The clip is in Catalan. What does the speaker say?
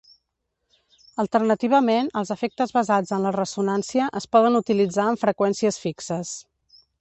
Alternativament, els efectes basats en la ressonància es poden utilitzar amb freqüències fixes.